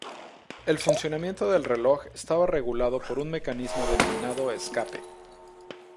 El funcionamiento del reloj estaba regulado por un mecanismo denominado escape.